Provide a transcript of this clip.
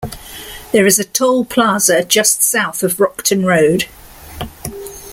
There is a toll plaza just south of Rockton Road.